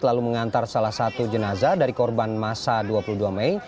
lalu mengantar salah satu jenazah dari korban masa dua puluh dua mei